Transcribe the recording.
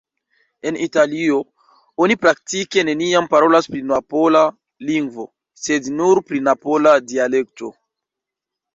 En Italio, oni praktike neniam parolas pri napola "lingvo", sed nur pri napola "dialekto".